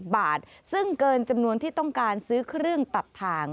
บาทซึ่งเกินจำนวนที่ต้องการซื้อเครื่องตัดทาง